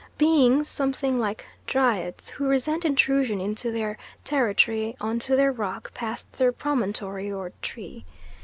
Beings something like dryads, who resent intrusion into their territory, on to their rock, past their promontory, or tree.